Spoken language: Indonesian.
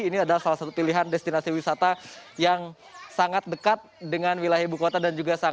ini adalah salah satu pilihan destinasi wisata yang sangat dekat dengan wilayah ibu kota